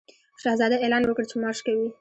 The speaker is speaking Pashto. شهزاده اعلان وکړ چې مارش کوي.